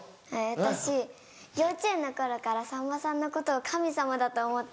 私幼稚園の頃からさんまさんのことを神様だと思ってて。